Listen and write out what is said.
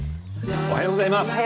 おはようございます。